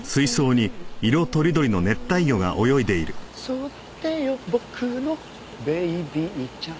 「育てよ僕のベイビーちゃん」